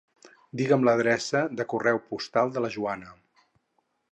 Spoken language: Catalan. Digue'm l'adreça de correu postal de la Joana.